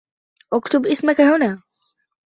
اكتب اسمك هنا.